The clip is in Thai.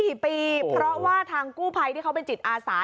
กี่ปีเพราะว่าทางกู้ภัยที่เขาเป็นจิตอาสา